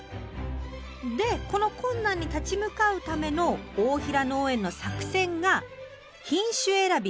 でこの困難に立ち向かうための大平農園の作戦が「品種選び」。